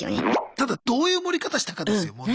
ただどういう盛り方したかですよ問題は。